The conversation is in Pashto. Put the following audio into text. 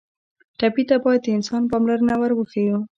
ټپي ته باید د انسان پاملرنه ور وښیو.